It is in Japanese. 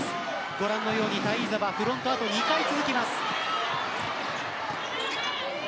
ご覧のようにタイーザはフロントがあと２回続きます。